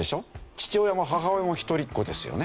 父親も母親も一人っ子ですよね。